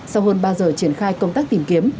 sau hơn ba giờ triển khai công tác tìm kiếm